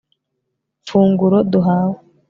funguro duhawe